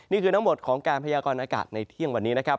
นี่คือทั้งหมดของการพยากรณากาศในเที่ยงวันนี้นะครับ